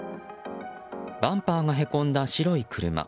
バンパーがへこんだ白い車。